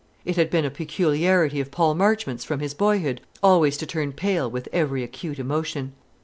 It had been a peculiarity of Paul Marchmont's, from his boyhood, always to turn pale with every acute emotion.